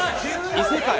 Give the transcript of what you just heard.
異世界？